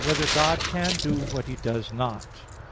5] Whether God Can Do What He Does Not?